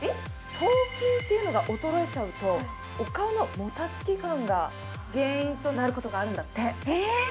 頭筋というのが衰えちゃうとお顔のもたつき感が原因となることがあるんだって。